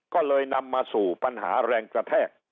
ก็เลยนำมาสู่ปัญหาแรงกระแทก